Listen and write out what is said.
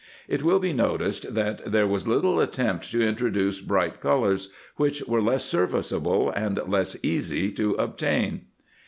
* It will be noticed that there was little attempt to introduce bright col ors, which were less serviceable and less easy to obtain.